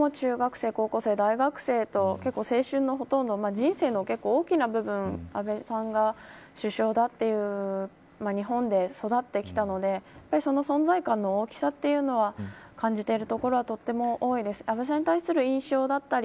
本当に私も、中学生、高校生大学生と青春のほとんど人生の結構大きな部分を安倍さんが首相だという日本で育ってきたので本当にその存在感の大きさというのは感じているところはとても多いです。